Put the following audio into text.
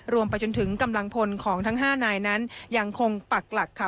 ไปจนถึงกำลังพลของทั้ง๕นายนั้นยังคงปักหลักค่ะ